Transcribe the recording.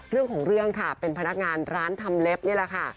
เรื่องของเรื่องค่ะเป็นพนักงานร้านทำเล็บนี่แหละค่ะ